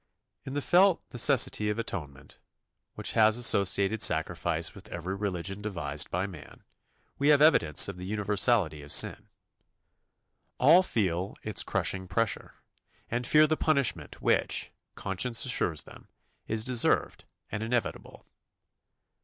In the felt necessity of atonement, which has associated sacrifice with every religion devised by man, we have evidence of the universality of sin. All feel its crushing pressure, and fear the punishment which, conscience assures them, is deserved and inevitable.